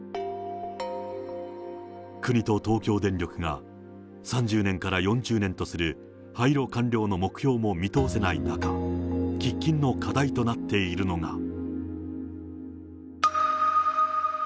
国と東京電力が、３０年から４０年とする廃炉完了の目標も見通せない中、喫緊の課題となっているのが。